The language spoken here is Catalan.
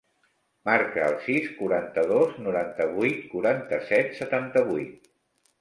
Marca el sis, quaranta-dos, noranta-vuit, quaranta-set, setanta-vuit.